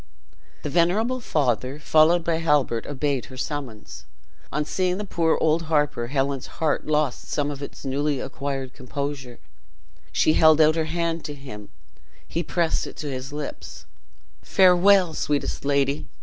The venerable father, followed by Halbert, obeyed her summons. On seeing the poor old harper, Helen's heart lost some of its newly acquired composure. She held out her hand to him; he pressed it to his lips. "Farewell, sweetest lady!